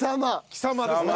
貴様ですね。